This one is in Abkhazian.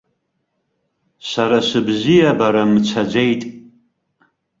Са сыбзиабара мцаӡеит!